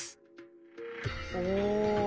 お。